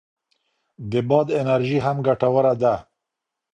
د باد انرژي هم ګټوره ده.